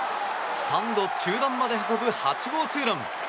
スタンド中段まで運ぶ８号ツーラン。